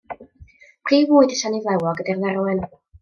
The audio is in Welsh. Prif fwyd y siani flewog ydy'r dderwen.